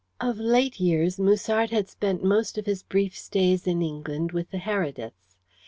Of late years, Musard had spent most of his brief stays in England with the Herediths.